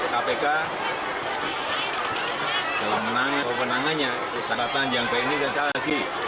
kpk dalam menangannya usaha tahan yang baik ini saya kasih lagi